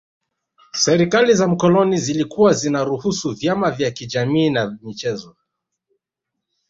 Serikali za kikoloni zilikuwa zinaruhusu vyama vya kijamii na michezo